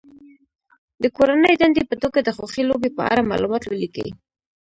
د کورنۍ دندې په توګه د خوښې لوبې په اړه معلومات ولیکي.